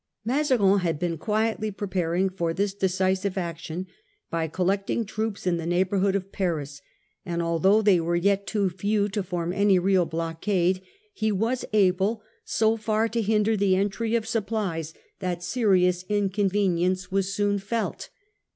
Mazarin had been quietly preparing for this decisive action by collecting troops in the neighbourhood of Paris ; and although they were yet too few to form any real blockade, he was able so far to hinder the entry of supplies that serious inconvenience was soon felt.